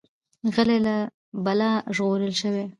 غلی، له بلا ژغورل شوی.